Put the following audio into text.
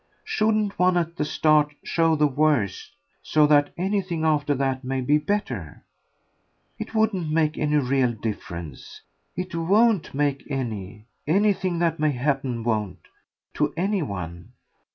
Shouldn't one, at the start, show the worst so that anything after that may be better? It wouldn't make any real difference it WON'T make any, anything that may happen won't to any one.